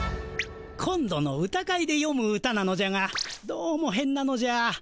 今度の歌会でよむ歌なのじゃがどうもへんなのじゃ。